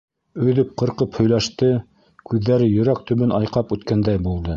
Өҙөп-ҡырҡып һөйләште, күҙҙәре йөрәк төбөн айҡап үткәндәй булды.